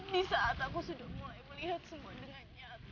di saat aku sudah mulai melihat semua dengan nyata